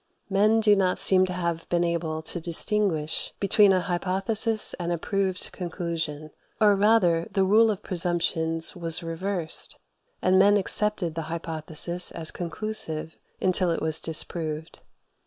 Men do not seem to have been able to distinguish between an hypothesis and a proved conclusion; or, rather, the rule of presumptions was reversed, and men accepted the hypothesis as conclusive until it was disproved.